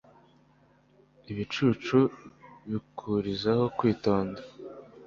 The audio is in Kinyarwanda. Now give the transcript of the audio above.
ab'ibicucu bakurizaho kwitonda